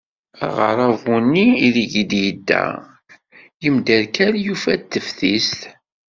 Aɣerabu-nni ideg d-yedda yemderkal yufa-d teftist.